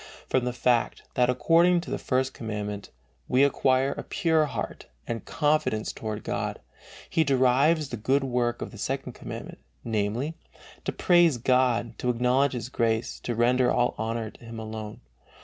From the fact, that according to the First Commandment, we acquire a pure heart and confidence toward God, he derives the good work of the Second Commandment, namely, "to praise God, to acknowledge His grace, to render all honor to Him alone."